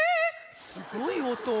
すごいおと。